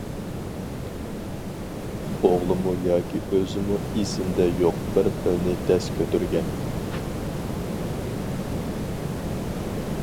ئوغلىمۇ ياكى ئۆزىمۇ ئېسىمدە يوق بىر پىلنى دەس كۆتۈرگەن.